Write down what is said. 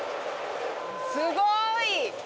すごい！